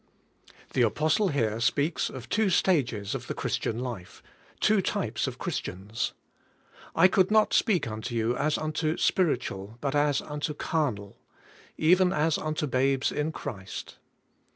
THE apostle here speaks of two stages of the Christian life, two types of Christians: "I could not speak unto you as unto s piritual^ but as unto carnal, even as unto babes in Christ."